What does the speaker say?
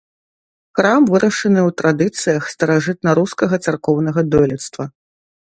Храм вырашаны ў традыцыях старажытнарускага царкоўнага дойлідства.